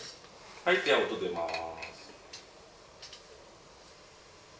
・はいじゃあ音出ます。